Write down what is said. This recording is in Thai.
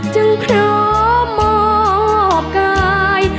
จังเพราะบอกกาย